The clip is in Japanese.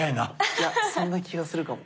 いやそんな気がするかも。